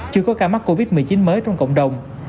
chưa có ca mắc covid một mươi chín mới trong cộng đồng